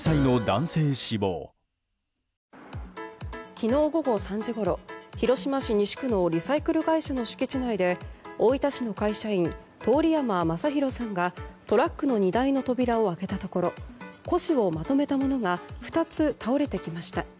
昨日午後３時ごろ広島市西区のリサイクル会社の敷地内で大分市の会社員通山正博さんがトラックの荷台の扉を開けたところ古紙をまとめたものが２つ倒れてきました。